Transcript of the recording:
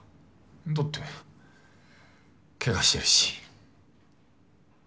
だってケガしてるし。